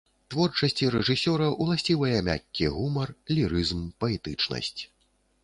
Творчасці рэжысёра ўласцівыя мяккі гумар, лірызм, паэтычнасць.